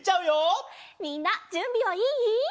みんなじゅんびはいい？